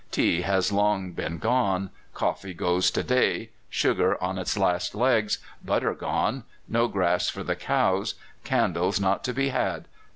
Tea has long been gone; coffee goes to day; sugar on its last legs; butter gone; no grass for the cows; candles not to be had.